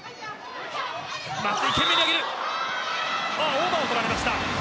オーバーを取られました。